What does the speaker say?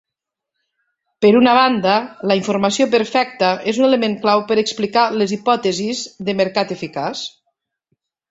Per una banda, la informació perfecta és un element clau per explicar les hipòtesis de mercat eficaç.